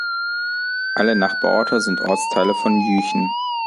Alle Nachbarorte sind Ortsteile von Jüchen.